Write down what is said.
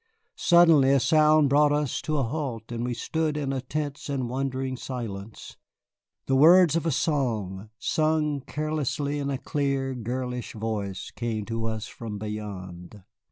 Suddenly a sound brought us to a halt, and we stood in a tense and wondering silence. The words of a song, sung carelessly in a clear, girlish voice, came to us from beyond.